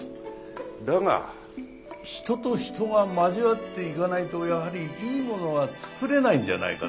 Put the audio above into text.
だが人と人が交わっていかないとやはりいいものは作れないんじゃないかと。